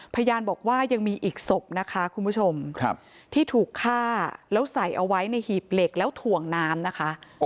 พยานบอกว่ายังมีอีกศพนะคะคุณผู้ชมที่ถูกฆ่าแล้วใส่เอาไว้ในหีบเหล็กแล้วถ่วงน้ำนะคะ